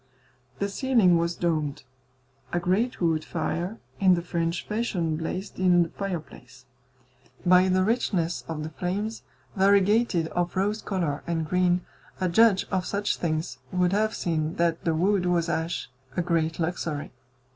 The ceiling was domed. A great wood fire in the French fashion blazed in the fireplace; by the richness of the flames, variegated of rose colour and green, a judge of such things would have seen that the wood was ash a great luxury.